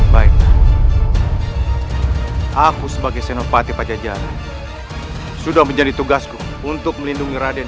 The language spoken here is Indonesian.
baik aku sebagai senopati pajajaran sudah menjadi tugasku untuk melindungi raden